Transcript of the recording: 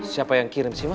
siapa yang kirim sih ma